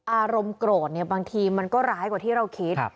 อารมณ์โกรธบางทีมันก็ร้ายกว่าที่เราคิด